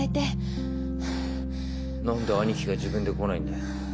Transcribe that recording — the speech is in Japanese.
何で兄貴が自分で来ないんだ？